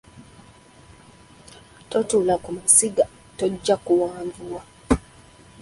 Totuula ku masiga, tojja kuwanvuwa